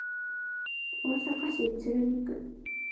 大阪市鶴見区